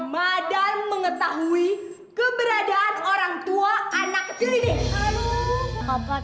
madan mengetahui keberadaan orang tua anak kecil ini